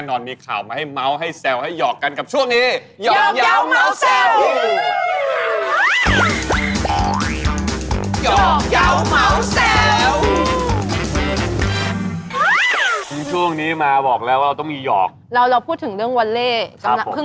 หนังฟาประจำหลาชาตินั้น